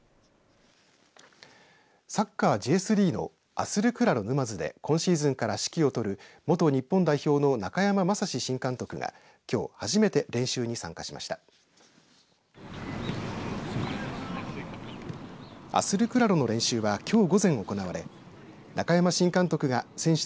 サッカーＪ３のアスルクラロ沼津で今シーズンから指揮を執る元日本代表の中山雅史新監督がきょう初めて練習に参加しました。